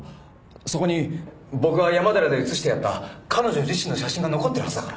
そこに僕が山寺で写してやった彼女自身の写真が残っているはずだから。